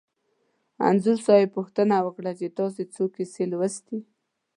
انځور صاحب پوښتنه وکړه چې تاسې څو کیسې لوستي.